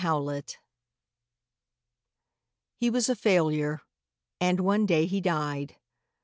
COMPASSION HE was a failure, and one day he died.